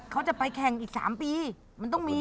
เขาจะไปแข่งอีก๓ปีมันต้องมี